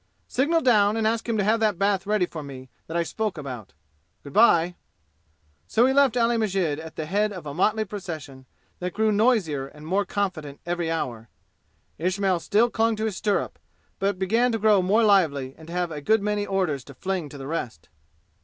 "Signal down and ask him to have that bath ready for me that I spoke about. Good by." So he left Ali Masjid at the head of a motley procession that grew noisier and more confident every hour. Ismail still clung to his stirrup, but began to grow more lively and to have a good many orders to fling to the rest.